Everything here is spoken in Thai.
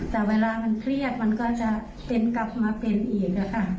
แต่เวลามันเครียดมันก็จะเป็นกลับมาเป็นอีกนะคะ